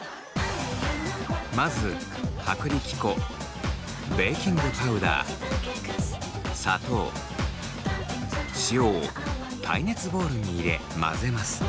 まず薄力粉ベーキングパウダー砂糖塩を耐熱ボウルに入れ混ぜます。